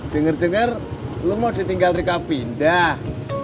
dengar dengar lo mau ditinggal dari kabin dah